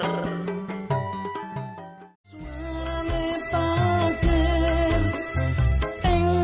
matut subahduun melawan corona band klanger